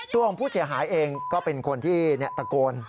ตัวของผู้เสียหายเองก็เป็นคนที่ตะโกน